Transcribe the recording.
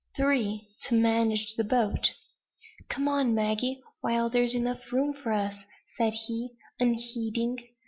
"Three, to manage the boat." "Come on, Maggie! while there's room for us," said he, unheeding.